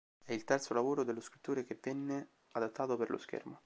È il terzo lavoro dello scrittore che venne adattato per lo schermo.